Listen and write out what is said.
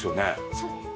そうですね。